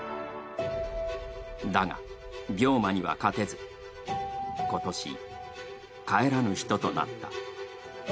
だが、病魔には勝てず、今年、帰らぬ人となった。